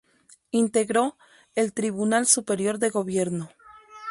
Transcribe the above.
Integró el Tribunal Superior de Gobierno.